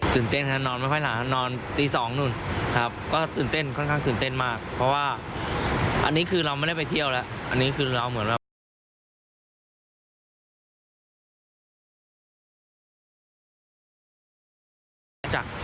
เต้นครับนอนไม่ค่อยหลังนอนตีสองนู่นครับก็ตื่นเต้นค่อนข้างตื่นเต้นมากเพราะว่าอันนี้คือเราไม่ได้ไปเที่ยวแล้วอันนี้คือเราเหมือนแบบว่าจ้ะ